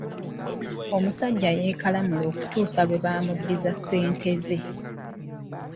Omusajja yeekalamula okutuusa lwe baaamuddiza ssente ze.